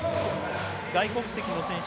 外国籍の選手